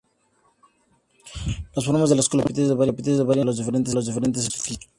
Las formas de las columnas y los capiteles varían algo entre los diferentes edificios.